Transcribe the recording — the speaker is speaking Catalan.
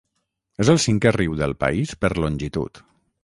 És el cinquè riu del país per longitud.